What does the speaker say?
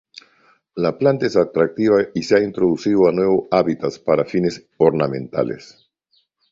La planta es atractiva y se ha introducido a nuevos hábitats para fines ornamentales.